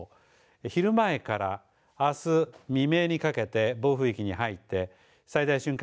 昼前からあす未明にかけて暴風域に入って最大瞬間